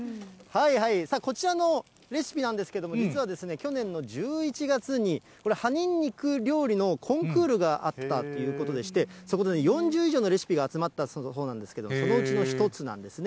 こちらのレシピなんですけれども、実は去年の１１月に、これ、葉ニンニク料理のコンクールがあったということでして、そこで４０以上のレシピが集まったそうなんですけど、そのうちの１つなんですね。